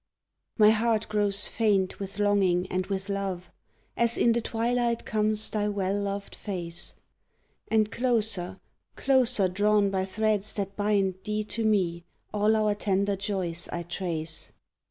My heart grows faint with longing and with love As in the twilight comes thy well loved face; And closer, closer drawn by threads that bind Thee to me, all our tender joys I trace.